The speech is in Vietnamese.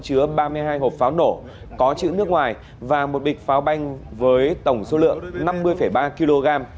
chứa ba mươi hai hộp pháo nổ có chữ nước ngoài và một bịch pháo banh với tổng số lượng năm mươi ba kg